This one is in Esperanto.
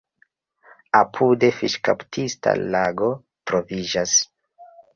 Apude fiŝkaptista lago troviĝas.